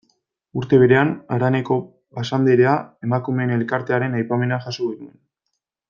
Urte berean, haraneko Basanderea emakumeen elkartearen aipamena jaso genuen.